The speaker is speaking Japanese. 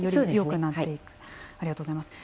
ありがとうございます。